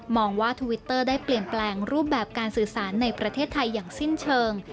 ว่าทวิตเตอร์ได้เปลี่ยนแปลงรูปแบบการสื่อสารในประเทศไทยอย่างสิ้นเชิง